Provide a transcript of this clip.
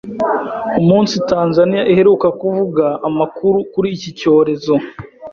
umunsi Tanzania iheruka kuvuga amakuru kuri iki cyorezo,